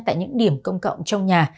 tại những điểm công cộng trong nhà